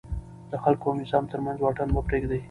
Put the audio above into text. د خلکو او نظام ترمنځ واټن مه پرېږدئ.